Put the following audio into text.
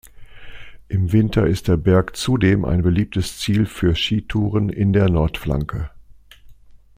Im Winter ist der Berg zudem ein beliebtes Ziel für Skitouren in der Nordflanke.